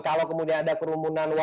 kalau kemudian ada kerumunan